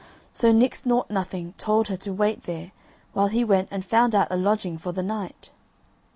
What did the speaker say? So Nix Nought Nothing told her to wait there while he went and found out a lodging for the night.